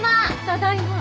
ただいま。